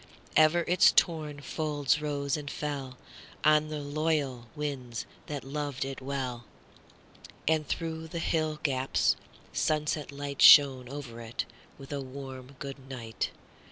Ever its torn folds rose and fellOn the loyal winds that loved it well; And through the hill gaps sunset lightShone over it with a warm good night.